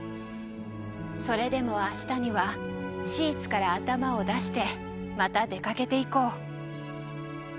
それでもあしたにはシーツから頭を出してまた出かけていこう。